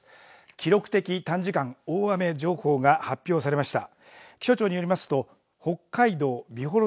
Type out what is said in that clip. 記録的短時間大雨情報が発表されました。